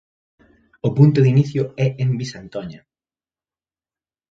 O punto de inicio é en Visantoña.